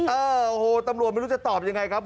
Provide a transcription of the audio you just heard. โอ้โหตำรวจไม่รู้จะตอบยังไงครับ